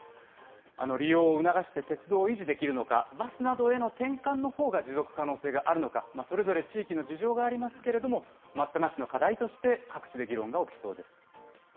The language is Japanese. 利用を促して鉄道を維持できるのか、バスなどへの転換のほうが持続可能性があるのか、それぞれ地域の事情がありますけれども、待ったなしの課題として、各地で議論が起きそうです。